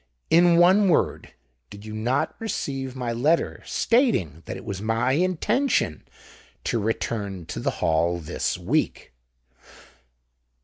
"In one word, did you not receive my letter stating that it was my intention to return to the Hall this week?"